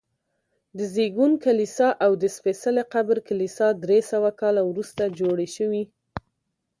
د زېږون کلیسا او د سپېڅلي قبر کلیسا درې سوه کاله وروسته جوړې شوي.